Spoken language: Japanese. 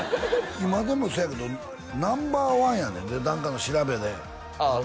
今でもそうやけどナンバーワンやねんで何かの調べでああ